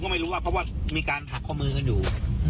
ก็ไม่รู้ว่าเพราะว่ามีการถักข้อมือกันอยู่